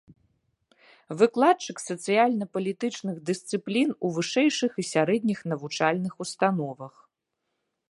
Выкладчык сацыяльна-палітычных дысцыплін у вышэйшых і сярэдніх навучальных установах.